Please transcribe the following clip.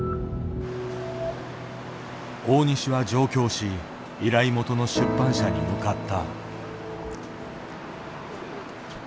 大西は上京し依頼元の出版社に向かった。